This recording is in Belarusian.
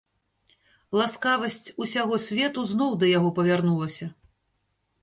Ласкавасць усяго свету зноў да яго павярнулася.